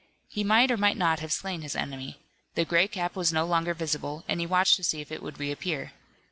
He might or might not have slain his enemy. The gray cap was no longer visible, and he watched to see if it would reappear.